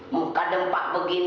muka dempak begini